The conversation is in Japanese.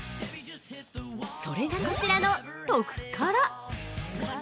それがこちらの「特から」。